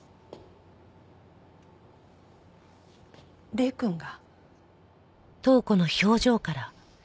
礼くんが。